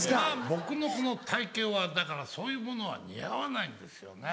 僕のこの体形はだからそういうものは似合わないんですよね